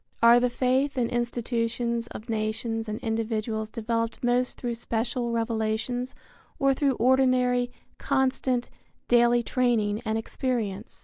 Are the faith and institutions of nations and individuals developed most through special revelations or through ordinary, constant, daily training and experience?